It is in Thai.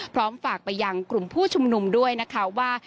พร้อมฝากไปยังกลุ่มผู้ชุมนุมด้วยนะคะว่า